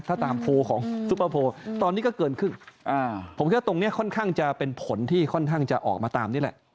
ถ้าตามโพลของซุปเปอร์โพลตอนนี้ก็เกินครึ่งผมคิดว่าตรงนี้ค่อนข้างจะเป็นผลที่ค่อนข้างจะออกมาตามนี่แหละ